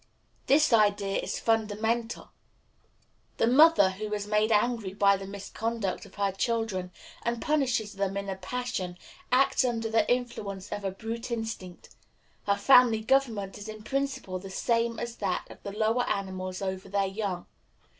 This idea is fundamental. The mother who is made angry by the misconduct of her children, and punishes them in a passion, acts under the influence of a brute instinct. Her family government is in principle the same as that of the lower animals over their young.